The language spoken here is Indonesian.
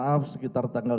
maaf sekitar tanggal sebelas